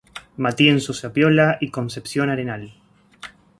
Matienzo, Zapiola y Concepción Arenal.